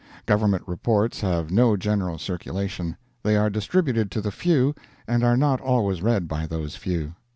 Government Reports have no general circulation. They are distributed to the few, and are not always read by those few.